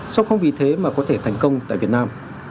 song không vì thế mà có thể thành công tại việt nam